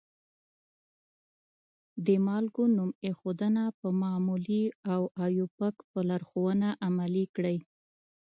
د مالګو نوم ایښودنه په معمولي او آیوپک په لارښودنه عملي کړئ.